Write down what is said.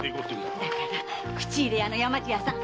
だから口入屋の山路屋さん。